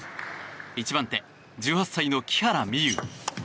１番手、１８歳の木原美悠。